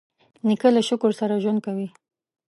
نیکه له شکر سره ژوند کوي.